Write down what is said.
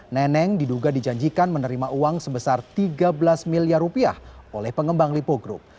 neneng diduga dijanjikan menerima uang sebesar tiga belas miliar rupiah oleh pengembang lipo group